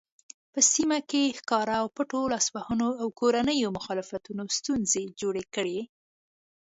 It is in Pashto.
په سیمه کې ښکاره او پټو لاسوهنو او کورنیو مخالفتونو ستونزې جوړې کړې.